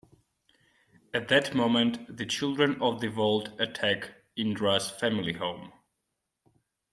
At that moment, The Children of the Vault attack Indra's family home.